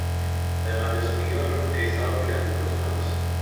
Además de sonido remasterizado, gráficos y más.